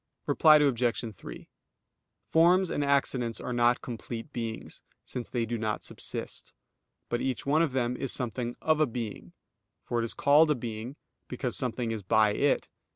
Reply Obj. 3: Forms and accidents are not complete beings, since they do not subsist: but each one of them is something "of a being"; for it is called a being, because something is by it.